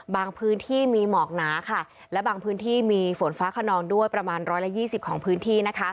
บางพื้นที่มีหมอกหนาและบางพื้นที่มีฝนฟ้าขนองด้วยประมาณร้อยและยี่สิบของพื้นที่